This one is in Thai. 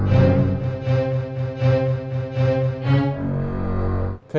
ก็ไม่มีค้าแหละ